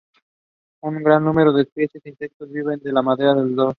Un gran número de especies de insectos viven en la madera de roble.